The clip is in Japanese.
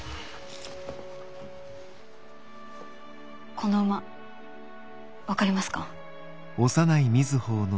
この馬分かりますか？